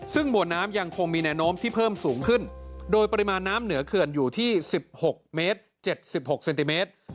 ซึ่งมวลน้ำยังคงมีแนวโน้มที่เพิ่มสูงขึ้นโดยปริมาณน้ำเหนือเขื่อนอยู่ที่๑๖เมตร๗๖เซนติเมตร